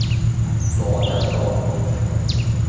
攞著數